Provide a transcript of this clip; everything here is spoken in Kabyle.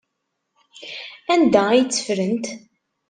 Anda ay tt-ffrent?